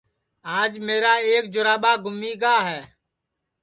آج میرا ایک جُراٻا گُمی گا ہے